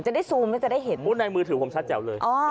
ซูมแล้วจะได้เห็นในมือถือผมชัดแจ๋วเลย